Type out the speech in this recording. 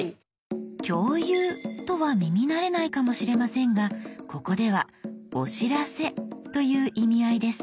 「共有」とは耳慣れないかもしれませんがここでは「お知らせ」という意味合いです。